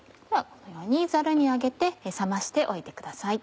このようにザルに上げて冷ましておいてください。